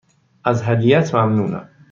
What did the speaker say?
از هدیهات ممنونم.